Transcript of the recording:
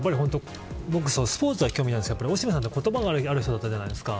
僕、スポーツは興味ないんですけどオシムさんは言葉がある人だったじゃないですか。